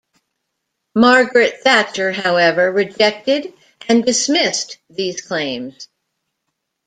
Margaret Thatcher however, rejected and dismissed these claims.